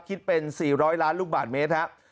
คิดเป็น๔๐๐ล้านลูกบาทเมตรครับ